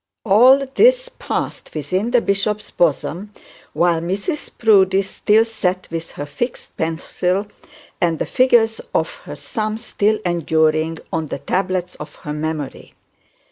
All this passed within the bishop's bosom while Mrs Proudie stall sat with her fixed pencil, and the figures of her sum still enduring on the tablets of her memory.